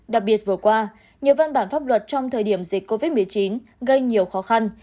đặc biệt vừa qua nhiều văn bản pháp luật trong thời điểm dịch covid một mươi chín gây nhiều khó khăn